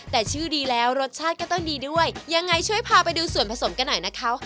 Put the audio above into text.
แต่ชื่อดีแล้วรสชาติก็ต้องดีด้วยยังไงช่วยพาไปดูส่วนผสมกันหน่อยนะคะ